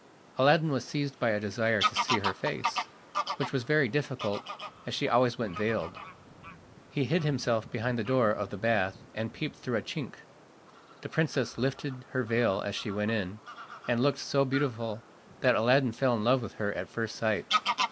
Aladdin was seized by a desire to see her face, which was very difficult, as she always went veiled. He hid himself behind the door of the bath, and peeped through a chink. The princess lifted her veil as she went in, and looked so beautiful that Aladdin fell in love with her at first sight.